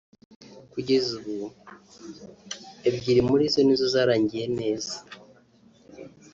kugeza ubu ebyiri muri zo ni zo zarangiye neza